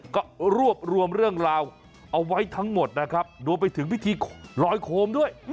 ก็รวบรวมเรื่องราวเอาไว้ทั้งหมดนะครับรวมไปถึงพิธีลอยโคมด้วย